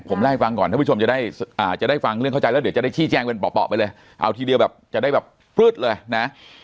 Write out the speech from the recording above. ผมลาให้ฟังก่อนให้ผู้ชมจะได้ฟังเรื่องเข้าใจจะได้ชี้แจงเป็นปปะแบบจะได้แบบฟึ๊ดเลยนะ